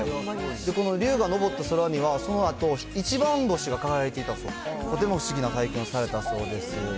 この龍が上った空には、そのあと一番星が輝いていたと、とても不思議な体験をされたそうです。